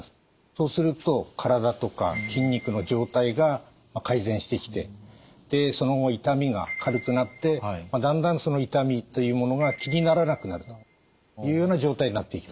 そうすると体とか筋肉の状態が改善してきてでその後痛みが軽くなってだんだんその痛みというものが気にならなくなるというような状態になっていきます。